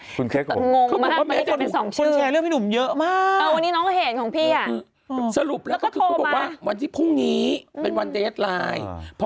คุณเค๊กหงงงมากมายกันเป็นสองชื่อ